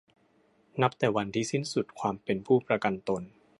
นับแต่วันที่สิ้นสุดความเป็นผู้ประกันตน